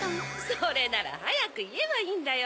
それならはやくいえばいいんだよ。